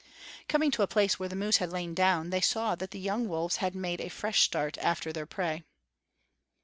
Coming to a place where the moose had lain down, they saw that the young wolves had made a fresh start after their prey.